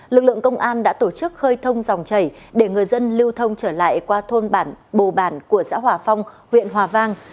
lực lượng công an đã tổ chức khơi thông dòng chảy để người dân lưu thông trở lại qua thôn bản bồ bản của xã hòa phong huyện hòa vang